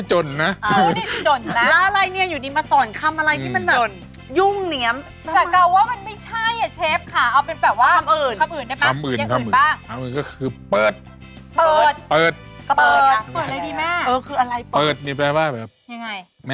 แฮะเดินปล่อยได้ไหม